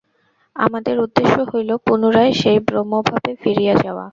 আমাদের উদ্দেশ্য হইল পুনরায় সেই ব্রহ্মভাবে ফিরিয়া যাওয়া।